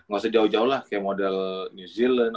gak usah jauh jauh lah kayak model new zealand